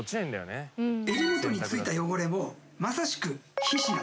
襟元に付いた汚れもまさしく皮脂なんですね。